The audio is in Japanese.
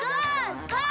ゴー！